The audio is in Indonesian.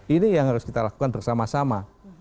ini yang harus kita lakukan bersama sama